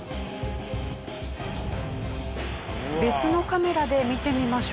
別のカメラで見てみましょう。